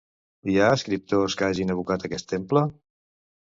Hi ha escriptors que hagin evocat aquest temple?